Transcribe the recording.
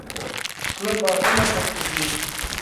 شنه باغونه پکښې دي.